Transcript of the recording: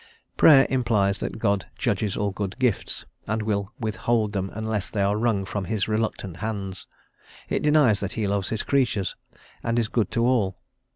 Prayer implies that God judges all good gifts, and will withhold them unless they are wrung from his reluctant hands; it denies that he loves his creatures, and is good to all.